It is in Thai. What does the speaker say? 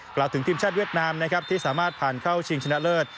กล่าวถึงทีมชาติเวียดนามนะครับที่สามารถผ่านเข้าชิงชนะเลิศ